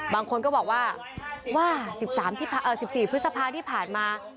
บางคนก็บอกว่าว่า๑๔พฤษภาที่ผ่านมา